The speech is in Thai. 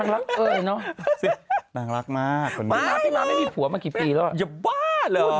เราทำมาแล้วเหรอ